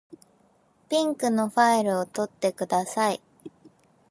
ピンクのファイルを取ってください。